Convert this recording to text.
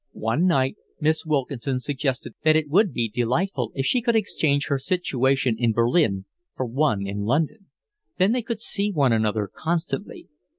One night Miss Wilkinson suggested that it would be delightful if she could exchange her situation in Berlin for one in London. Then they could see one another constantly.